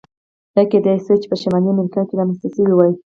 دا کېدای شوای چې په شمالي امریکا کې رامنځته شوی وای.